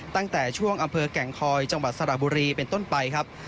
ตั้งแต่ช่วงอำเภอแก่งคอยจังหวัดสระบุรีเป็นต้นไปครับ